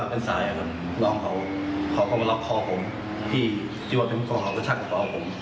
ก็แคลร์กันครับแคลร์กันไปที่คนที่มาช่วยผมอ่ะครับ